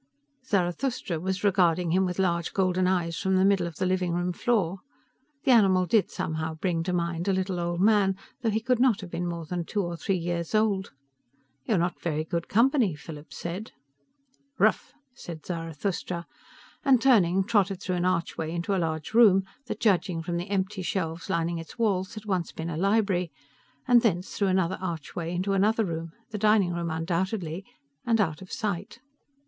Zarathustra was regarding him with large golden eyes from the middle of the living room floor. The animal did somehow bring to mind a little old man, although he could not have been more than two or three years old. "You're not very good company," Philip said. "Ruf," said Zarathustra, and turning, trotted through an archway into a large room that, judging from the empty shelves lining its walls, had once been a library, and thence through another archway into another room the dining room, undoubtedly and out of sight.